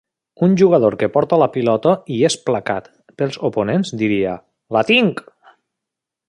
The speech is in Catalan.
Un jugador que porta la pilota i és placat pels oponents diria: "La tinc!"